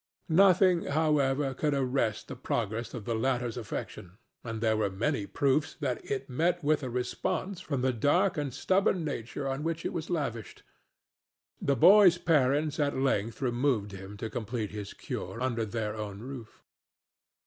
Nothing, however, could arrest the progress of the latter's affection, and there were many proofs that it met with a response from the dark and stubborn nature on which it was lavished. The boy's parents at length removed him to complete his cure under their own roof.